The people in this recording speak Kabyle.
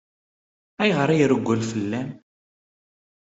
Ayɣer i ireggel fell-am?